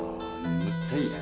むっちゃいいね。